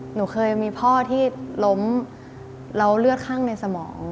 หนูเคยมีพ่อที่ล้มแล้วเลือดข้างในสมอง